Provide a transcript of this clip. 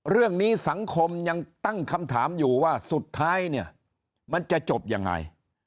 เรื่องนี้สังคมยังตั้งคำถามอยู่ว่าสุดท้ายเนี่ยมันจะจบยังไง